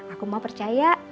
aku mau percaya